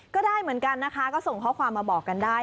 ก็ได้เหมือนกันนะคะก็ส่งข้อความมาบอกกันได้